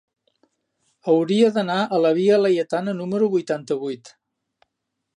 Hauria d'anar a la via Laietana número vuitanta-vuit.